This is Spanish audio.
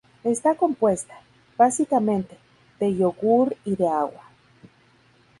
Está compuesta, básicamente, de yogur y de agua.